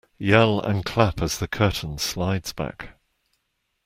Yell and clap as the curtain slides back.